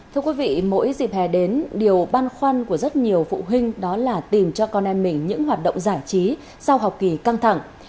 thưa quý vị mỗi dịp hè đến điều băn khoăn của rất nhiều phụ huynh đó là tìm cho con em mình những hoạt động giải trí sau học kỳ căng thẳng